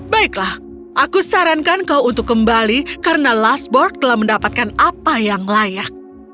baiklah aku sarankan kau untuk kembali karena lastburg telah mendapatkan apa yang layak